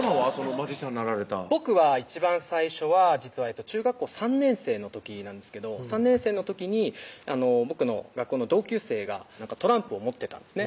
マジシャンなられた僕は一番最初は実は中学校３年生の時なんですけど３年生の時に僕の学校の同級生がトランプを持ってたんですね